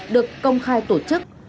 được công khai tổ chức